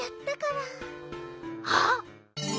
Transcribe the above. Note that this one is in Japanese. あっ！